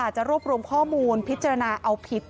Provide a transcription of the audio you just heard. จะรวบรวมข้อมูลพิจารณาเอาผิด